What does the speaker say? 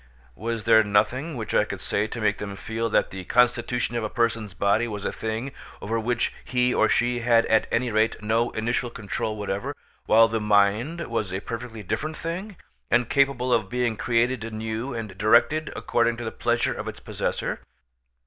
Was there nothing which I could say to make them feel that the constitution of a person's body was a thing over which he or she had had at any rate no initial control whatever, while the mind was a perfectly different thing, and capable of being created anew and directed according to the pleasure of its possessor?